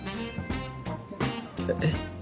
えっ？